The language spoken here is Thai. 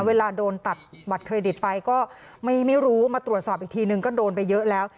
เวลาโดนตัดบัตรเครดิตไปก็ไม่รู้มาตรวจสอบอีกทีนึงก็โดนไปเยอะแล้ว